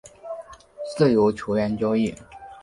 自由球员交易